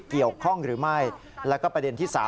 เกี่ยวข้องหรือไม่แล้วก็ประเด็นที่๓